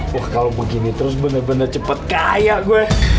wah kalau begini terus bener bener cepet kaya gue